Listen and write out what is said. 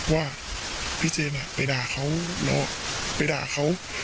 ว่าพี่เจมส์ไปด่าเขาแล้วไปด่าเขา